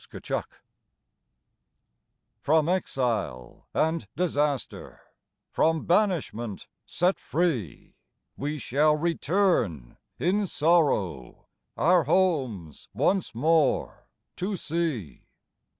Return From exile and disaster, From banishment set free, We shall return in sorrow, Our homes once more to see.